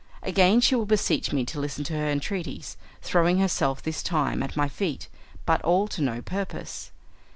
Again she will beseech me to listen to her entreaties, throwing herself this time at my feet, but all to no purpose.